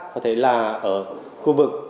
có thể là ở khu vực